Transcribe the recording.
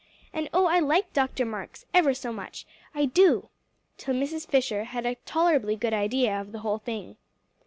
And oh, I like Dr. Marks, ever so much, I do" till Mrs. Fisher had a tolerably good idea of the whole thing.